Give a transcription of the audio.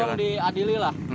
tolong diadili lah